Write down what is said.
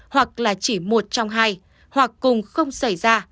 hoặc là chỉ một trong hai hoặc cùng không xảy ra